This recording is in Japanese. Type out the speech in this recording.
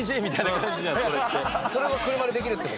それが車でできるって事？